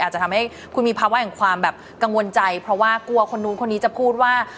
อาจจะทำให้คุณมีภาวะแห่งความแบบกังวลใจเพราะว่ากลัวคนนู้นคนนี้จะพูดว่า